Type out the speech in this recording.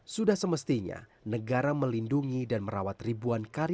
sudah semestinya negara melindungi dan merawat ribuan buah lukisan ini